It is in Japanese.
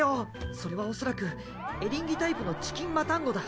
それはおそらくエリンギ型のチキン・マタンゴだ。